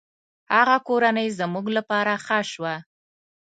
هغه کورنۍ زموږ له پاره ښه شوه.